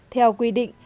theo quy định